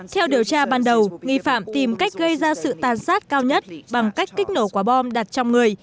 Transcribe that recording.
theo điều tra ban đầu nghi phạm tìm cách gây ra sự tàn sát cao nhất bằng cách kích nổ quả bom đặt trong người